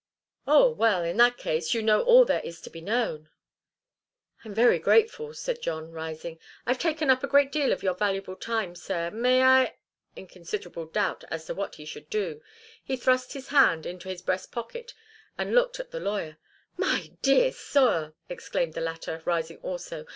"Oh well in that case, you know all there is to be known." "I'm very grateful," said John, rising. "I've taken up a great deal of your valuable time, sir. May I " In considerable doubt as to what he should do, he thrust his hand into his breast pocket and looked at the lawyer. "My dear sir!" exclaimed the latter, rising also.